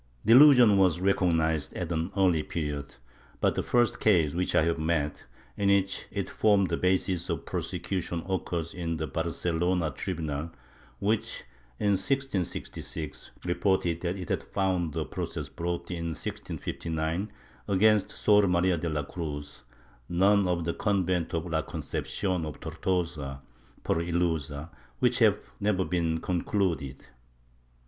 Delusion was recognized at an early period, but the first case which I have met in which it formed the basis of prosecution occurs in the Barcelona tribunal which, in 1666, reported that it had found a process brought, in 1659, against Sor Maria de la Cruz, nun of the convent of la Concepcion of Tortosa, ipor ilusa, which had never been concluded.